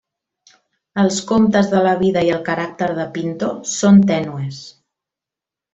Els comptes de la vida i el caràcter de Pinto són tènues.